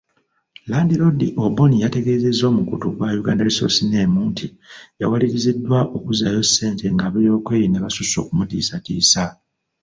Landiroodi Oboni yategeezezza omukutu gwa Uganda Resource Name, nti yawaliriziddwa okuzzaayo ssente ng'abeebyokwerinda basusse okumutiisatiisa.